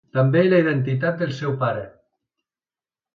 També la identitat del seu pare.